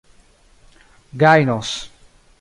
gajnos